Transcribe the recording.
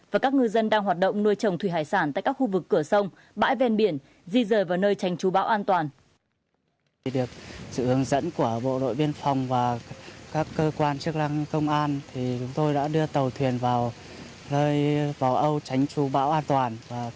và các ngư dân đang hoạt động nuôi trồng thủy hải sản tại các khu vực cửa sông bãi ven biển di rời vào nơi tranh trú bão an toàn